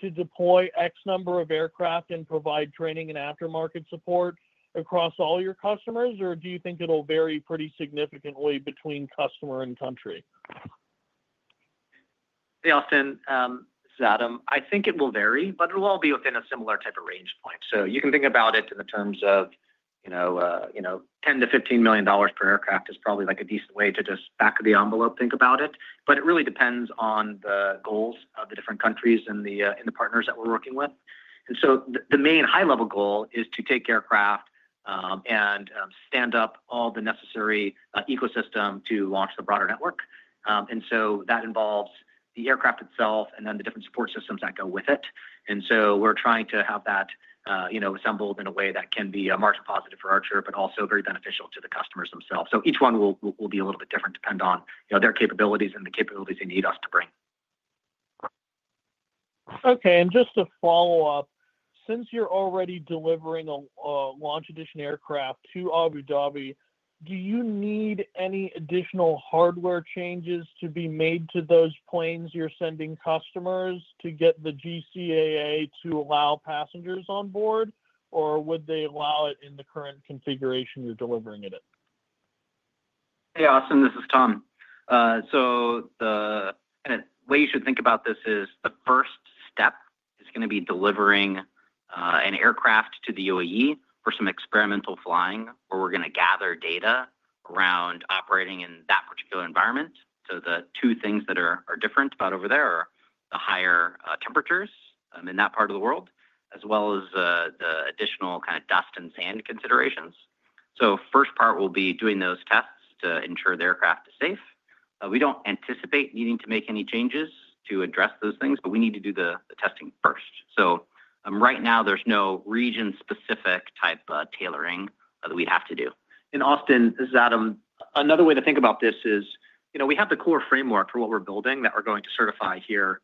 to deploy X number of aircraft and provide training and aftermarket support across all your customers, or do you think it'll vary pretty significantly between customer and country? Hey, Austin, this is Adam. I think it will vary, but it'll all be within a similar type of range point. You can think about it in the terms of $10 million-$15 million per aircraft is probably like a decent way to just back of the envelope think about it. But it really depends on the goals of the different countries and the partners that we're working with. The main high-level goal is to take aircraft and stand up all the necessary ecosystem to launch the broader network. That involves the aircraft itself and then the different support systems that go with it. We're trying to have that assembled in a way that can be margin positive for Archer, but also very beneficial to the customers themselves. So, each one will be a little bit different depending on their capabilities and the capabilities they need us to bring. Okay. And just to follow up, since you're already delivering a Launch Edition aircraft to Abu Dhabi, do you need any additional hardware changes to be made to those planes you're sending customers to get the GCAA to allow passengers on board, or would they allow it in the current configuration you're delivering it in? Hey, Austin. This is Tom. So, the way you should think about this is the first step is going to be delivering an aircraft to the UAE for some experimental flying where we're going to gather data around operating in that particular environment. So, the two things that are different about over there are the higher temperatures in that part of the world, as well as the additional kind of dust and sand considerations. So, first part will be doing those tests to ensure the aircraft is safe. We don't anticipate needing to make any changes to address those things, but we need to do the testing first. So, right now, there's no region-specific type tailoring that we'd have to do. And Austin, this is Adam. Another way to think about this is we have the core framework for what we're building that we're going to certify here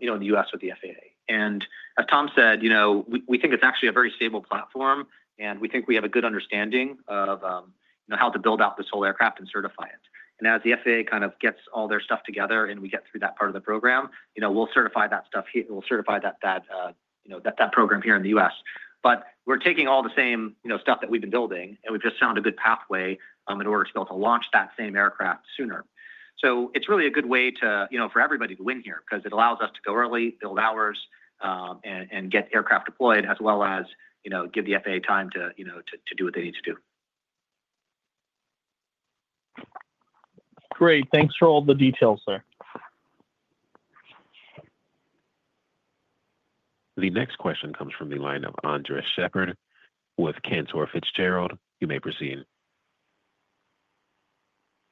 in the U.S. with the FAA, and as Tom said, we think it's actually a very stable platform, and we think we have a good understanding of how to build out this whole aircraft and certify it, and as the FAA kind of gets all their stuff together and we get through that part of the program, we'll certify that stuff here. We'll certify that program here in the U.S., but we're taking all the same stuff that we've been building, and we've just found a good pathway in order to be able to launch that same aircraft sooner. So, it's really a good way for everybody to win here because it allows us to go early, build hours, and get aircraft deployed, as well as give the FAA time to do what they need to do. Great. Thanks for all the details, sir. The next question comes from the line of Andres Sheppard with Cantor Fitzgerald. You may proceed.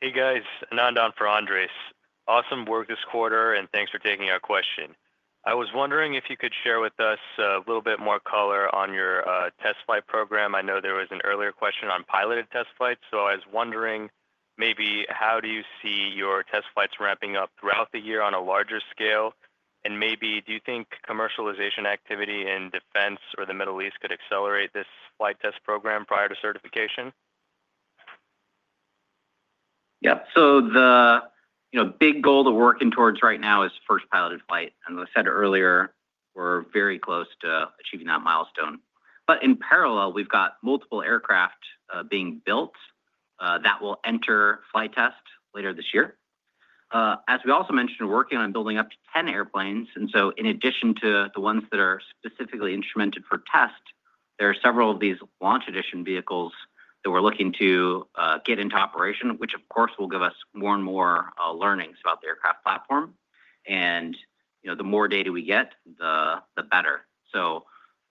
Hey, guys. Anandan for Andres. Awesome work this quarter, and thanks for taking our question. I was wondering if you could share with us a little bit more color on your test flight program. I know there was an earlier question on piloted test flights. So, I was wondering maybe how do you see your test flights ramping up throughout the year on a larger scale? And maybe, do you think commercialization activity in defense or the Middle East could accelerate this flight test program prior to certification? Yeah. So, the big goal to work in towards right now is first piloted flight. And as I said earlier, we're very close to achieving that milestone. But in parallel, we've got multiple aircraft being built that will enter flight test later this year. As we also mentioned, we're working on building up to 10 airplanes. And so, in addition to the ones that are specifically instrumented for test, there are several of these Launch Edition vehicles that we're looking to get into operation, which, of course, will give us more and more learnings about the aircraft platform. And the more data we get, the better. So,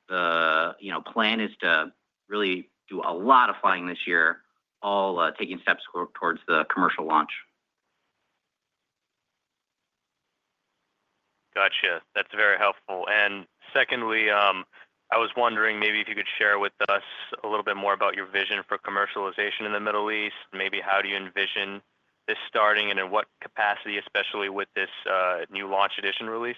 the plan is to really do a lot of flying this year, all taking steps towards the commercial launch. Gotcha. That's very helpful. And secondly, I was wondering maybe if you could share with us a little bit more about your vision for commercialization in the Middle East. Maybe how do you envision this starting and in what capacity, especially with this new Launch Edition release?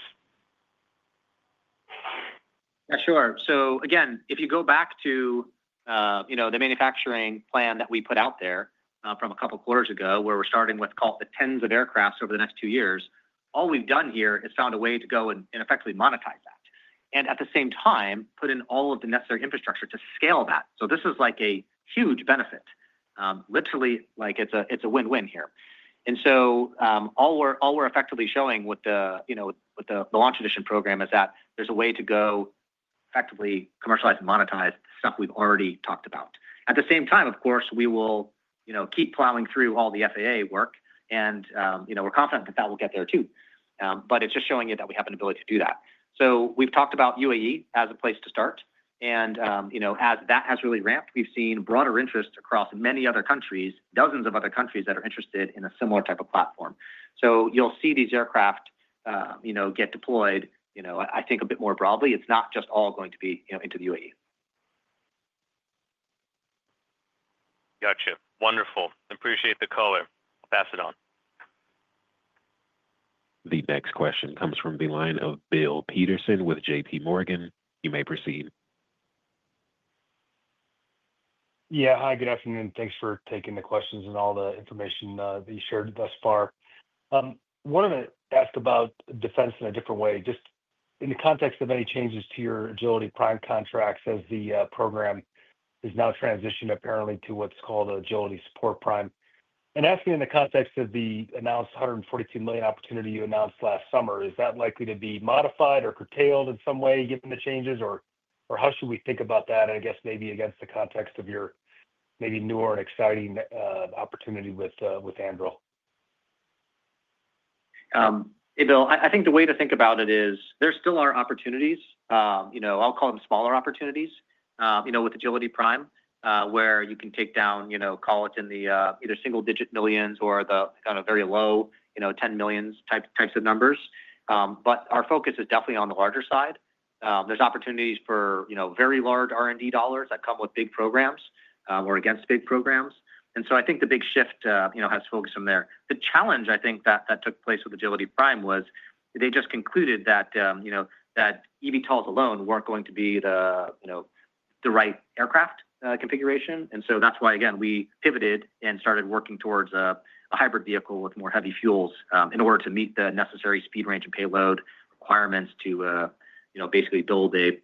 Yeah, sure. So, again, if you go back to the manufacturing plan that we put out there from a couple of quarters ago, where we're starting with, call it, the tens of aircraft over the next two years, all we've done here is found a way to go and effectively monetize that. And at the same time, put in all of the necessary infrastructure to scale that. So, this is like a huge benefit. Literally, it's a win-win here. And so, all we're effectively showing with the Launch Edition program is that there's a way to go effectively commercialize and monetize the stuff we've already talked about. At the same time, of course, we will keep plowing through all the FAA work, and we're confident that that will get there too. But it's just showing you that we have an ability to do that. So, we've talked about UAE as a place to start. And as that has really ramped, we've seen broader interest across many other countries, dozens of other countries that are interested in a similar type of platform. So, you'll see these aircraft get deployed, I think, a bit more broadly. It's not just all going to be into the UAE. Gotcha. Wonderful. Appreciate the color. I'll pass it on. The next question comes from the line of Bill Peterson with JPMorgan. You may proceed. Yeah. Hi. Good afternoon. Thanks for taking the questions and all the information that you shared thus far. I wanted to ask about defense in a different way, just in the context of any changes to your Agility Prime contracts as the program is now transitioned apparently to what's called Agility Support Prime. And asking in the context of the announced $142 million opportunity you announced last summer, is that likely to be modified or curtailed in some way given the changes, or how should we think about that? And I guess maybe against the context of your maybe newer and exciting opportunity with Anduril? Hey, Bill. I think the way to think about it is there still are opportunities. I'll call them smaller opportunities with Agility Prime, where you can take down, call it in the either single-digit millions or the kind of very low 10 million types of numbers. But our focus is definitely on the larger side. There's opportunities for very large R&D dollars that come with big programs. We're against big programs. And so, I think the big shift has focused from there. The challenge, I think, that took place with Agility Prime was they just concluded that eVTOLs alone weren't going to be the right aircraft configuration. And so, that's why, again, we pivoted and started working towards a hybrid vehicle with more heavy fuels in order to meet the necessary speed range and payload requirements to basically build an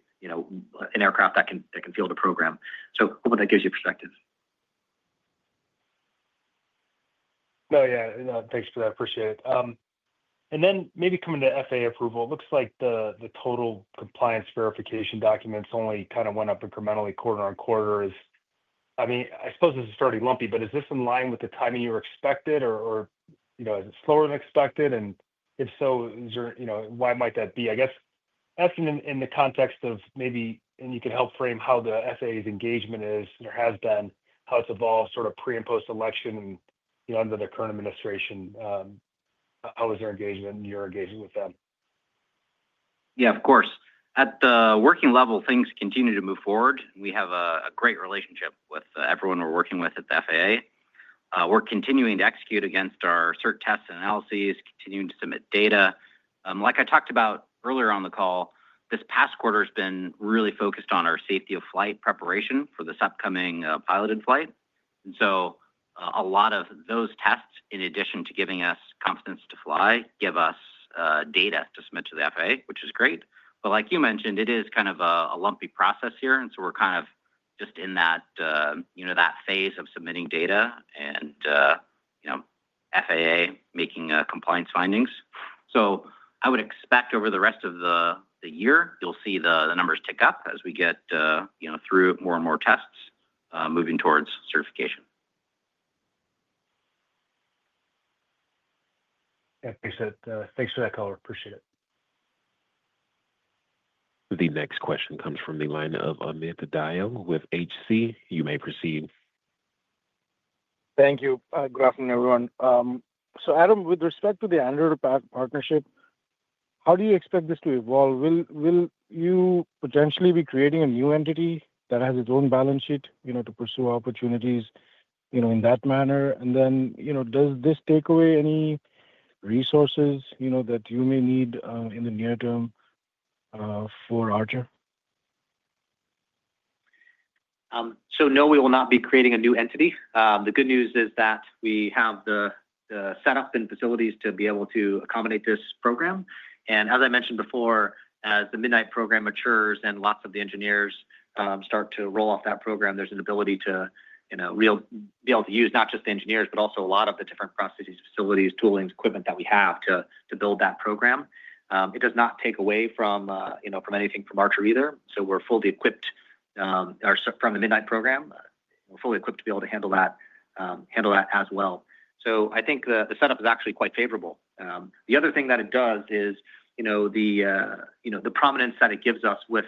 aircraft that can field a program. So, hopefully, that gives you perspective. No, yeah. Thanks for that. Appreciate it, and then maybe coming to FAA approval, it looks like the total compliance verification documents only kind of went up incrementally quarter-on-quarter. I mean, I suppose this is fairly lumpy, but is this in line with the timing you expected, or is it slower than expected? And if so, why might that be? I guess asking in the context of maybe, and you can help frame how the FAA's engagement is or has been, how it's evolved sort of pre- and post-election and under the current administration. How is their engagement and your engagement with them? Yeah, of course. At the working level, things continue to move forward. We have a great relationship with everyone we're working with at the FAA. We're continuing to execute against our cert tests and analyses, continuing to submit data. Like I talked about earlier on the call, this past quarter has been really focused on our safety of flight preparation for this upcoming piloted flight, and so, a lot of those tests, in addition to giving us confidence to fly, give us data to submit to the FAA, which is great, but like you mentioned, it is kind of a lumpy process here, and so, we're kind of just in that phase of submitting data and FAA making compliance findings, so, I would expect over the rest of the year, you'll see the numbers tick up as we get through more and more tests moving towards certification. Thanks for that, caller. Appreciate it. The next question comes from the line of Amit Dayal with H.C. You may proceed. Thank you. Good afternoon, everyone. So, Adam, with respect to the Anduril partnership, how do you expect this to evolve? Will you potentially be creating a new entity that has its own balance sheet to pursue opportunities in that manner? And then, does this take away any resources that you may need in the near term for Archer? No, we will not be creating a new entity. The good news is that we have the setup and facilities to be able to accommodate this program. And as I mentioned before, as the Midnight program matures and lots of the engineers start to roll off that program, there's an ability to be able to use not just the engineers, but also a lot of the different processes, facilities, tooling, equipment that we have to build that program. It does not take away from anything from Archer either. We're fully equipped from the Midnight program. We're fully equipped to be able to handle that as well. I think the setup is actually quite favorable. The other thing that it does is the prominence that it gives us with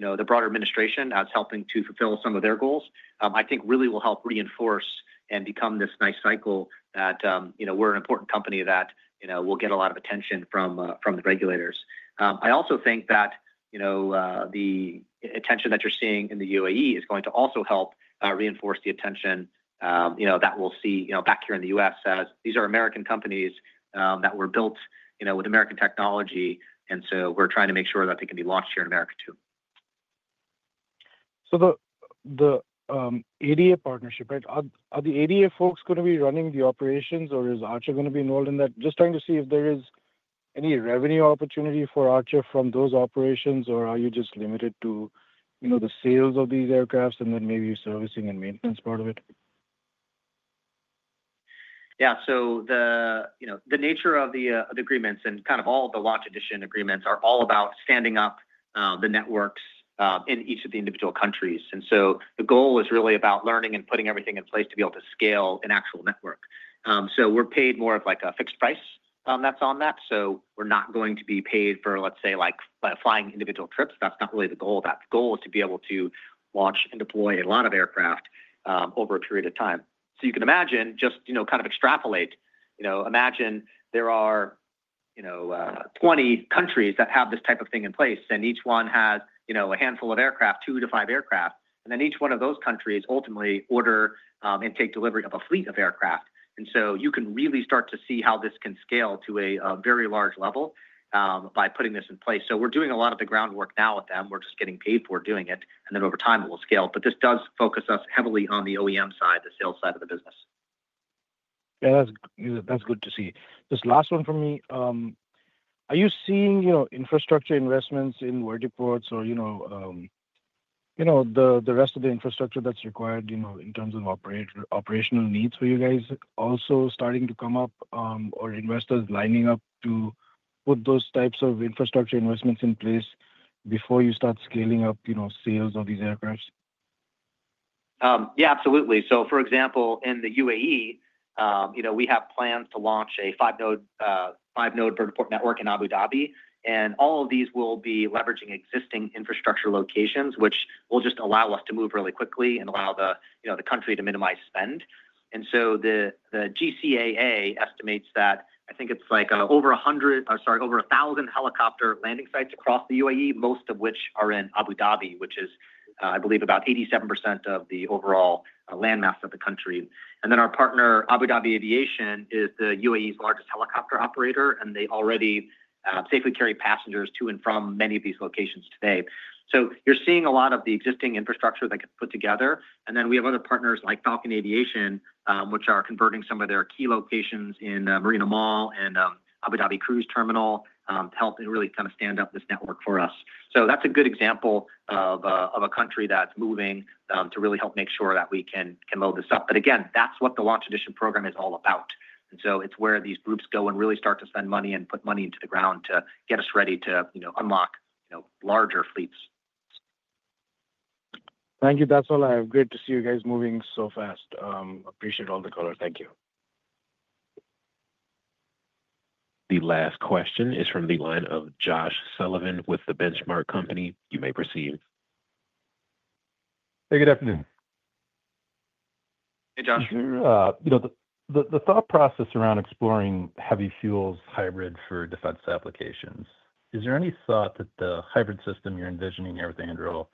the broader administration as helping to fulfill some of their goals, I think, really will help reinforce and become this nice cycle that we're an important company that will get a lot of attention from the regulators. I also think that the attention that you're seeing in the UAE is going to also help reinforce the attention that we'll see back here in the U.S., as these are American companies that were built with American technology. And so, we're trying to make sure that they can be launched here in America too. The ADA partnership, right? Are the ADA folks going to be running the operations, or is Archer going to be involved in that? Just trying to see if there is any revenue opportunity for Archer from those operations, or are you just limited to the sales of these aircraft and then maybe servicing and maintenance part of it? Yeah. So, the nature of the agreements and kind of all the Launch Edition agreements are all about standing up the networks in each of the individual countries. And so, the goal is really about learning and putting everything in place to be able to scale an actual network. So, we're paid more of like a fixed price that's on that. So, we're not going to be paid for, let's say, flying individual trips. That's not really the goal. That goal is to be able to launch and deploy a lot of aircraft over a period of time. So, you can imagine just kind of extrapolate. Imagine there are 20 countries that have this type of thing in place, and each one has a handful of aircraft, two-five aircraft. And then each one of those countries ultimately order and take delivery of a fleet of aircraft. And so, you can really start to see how this can scale to a very large level by putting this in place. So, we're doing a lot of the groundwork now with them. We're just getting paid for doing it. And then, over time, it will scale. But this does focus us heavily on the OEM side, the sales side of the business. Yeah, that's good to see. This last one for me. Are you seeing infrastructure investments in vertiports or the rest of the infrastructure that's required in terms of operational needs for you guys also starting to come up or investors lining up to put those types of infrastructure investments in place before you start scaling up sales of these aircraft? Yeah, absolutely. So, for example, in the UAE, we have plans to launch a five-node vertiport network in Abu Dhabi. And all of these will be leveraging existing infrastructure locations, which will just allow us to move really quickly and allow the country to minimize spend. And so, the GCAA estimates that I think it's like over 100, sorry, over 1,000 helicopter landing sites across the UAE, most of which are in Abu Dhabi, which is, I believe, about 87% of the overall landmass of the country. And then our partner, Abu Dhabi Aviation, is the UAE's largest helicopter operator, and they already safely carry passengers to and from many of these locations today. So, you're seeing a lot of the existing infrastructure that gets put together. And then we have other partners like Falcon Aviation, which are converting some of their key locations in Marina Mall and Abu Dhabi Cruise Terminal to help really kind of stand up this network for us. So, that's a good example of a country that's moving to really help make sure that we can build this up. But again, that's what the Launch Edition program is all about. And so, it's where these groups go and really start to spend money and put money into the ground to get us ready to unlock larger fleets. Thank you. That's all I have. Great to see you guys moving so fast. Appreciate all the color. Thank you. The last question is from the line of Josh Sullivan with The Benchmark Company. You may proceed. Hey, good afternoon. Hey, Josh. The thought process around exploring heavy fuels hybrid for defense applications, is there any thought that the hybrid system you're envisioning here with Anduril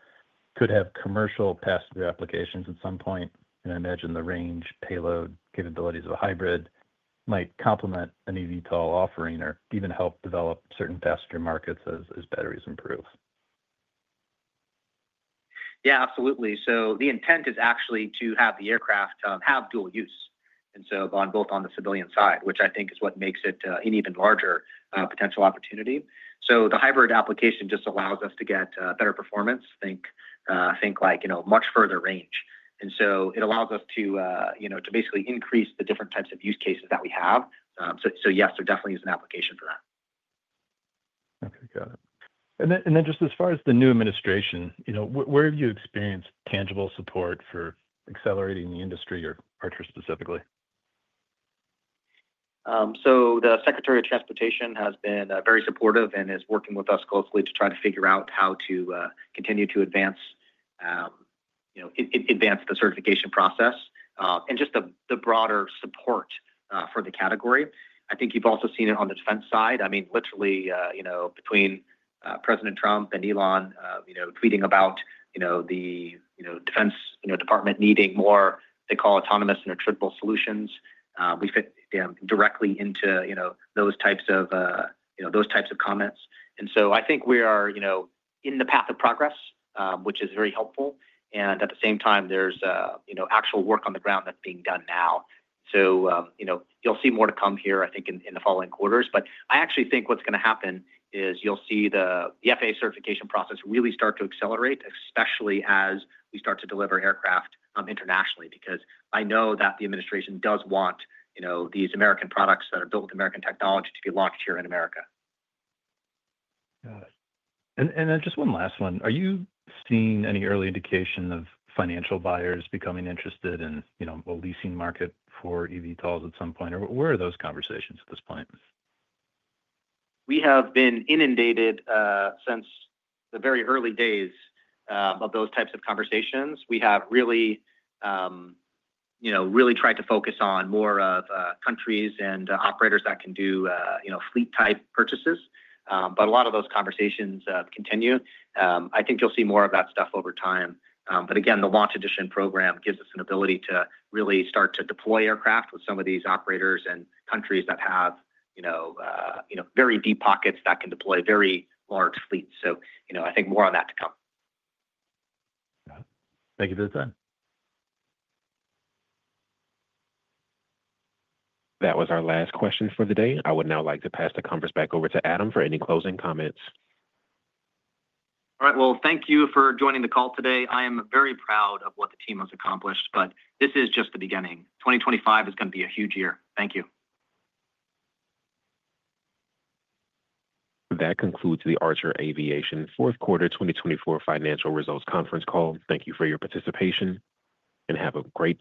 could have commercial passenger applications at some point? And I imagine the range, payload capabilities of a hybrid might complement an eVTOL offering or even help develop certain passenger markets as batteries improve. Yeah, absolutely. So, the intent is actually to have the aircraft have dual use, and so both on the civilian side, which I think is what makes it an even larger potential opportunity. So, the hybrid application just allows us to get better performance, think like much further range. And so, it allows us to basically increase the different types of use cases that we have. So, yes, there definitely is an application for that. Okay. Got it. And then just as far as the new administration, where have you experienced tangible support for accelerating the industry or Archer specifically? The Secretary of Transportation has been very supportive and is working with us closely to try to figure out how to continue to advance the certification process and just the broader support for the category. I think you've also seen it on the defense side. I mean, literally, between President Trump and Elon tweeting about the Defense Department needing more what they call autonomous and attritable solutions, we fit directly into those types of comments, and so I think we are in the path of progress, which is very helpful, and at the same time, there's actual work on the ground that's being done now, so you'll see more to come here, I think, in the following quarters. But I actually think what's going to happen is you'll see the FAA certification process really start to accelerate, especially as we start to deliver aircraft internationally, because I know that the administration does want these American products that are built with American technology to be launched here in America. Got it and then just one last one. Are you seeing any early indication of financial buyers becoming interested in a leasing market for eVTOLs at some point? Where are those conversations at this point? We have been inundated since the very early days of those types of conversations. We have really tried to focus on more of countries and operators that can do fleet-type purchases, but a lot of those conversations continue. I think you'll see more of that stuff over time, but again, the Launch Edition program gives us an ability to really start to deploy aircraft with some of these operators and countries that have very deep pockets that can deploy very large fleets, so I think more on that to come. Got it. Thank you for the time. That was our last question for the day. I would now like to pass the conference back over to Adam for any closing comments. All right. Well, thank you for joining the call today. I am very proud of what the team has accomplished, but this is just the beginning. 2025 is going to be a huge year. Thank you. That concludes the Archer Aviation Fourth Quarter 2024 Financial Results Conference Call. Thank you for your participation and have a great.